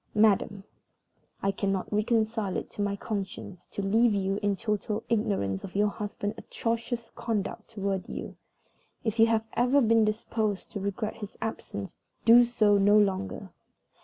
"MADAM I cannot reconcile it to my conscience to leave you in total ignorance of your husband's atrocious conduct toward you. If you have ever been disposed to regret his absence do so no longer.